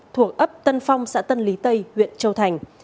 thuộc ấp tân phong xã tân lý tây huyện châu thành